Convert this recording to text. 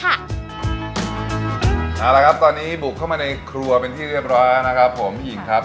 เอาละครับตอนนี้บุกเข้ามาในครัวเป็นที่เรียบร้อยแล้วนะครับผมพี่หญิงครับ